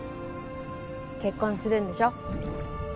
結婚するんでしょ？